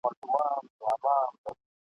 دا هيواد به آزاديږي ..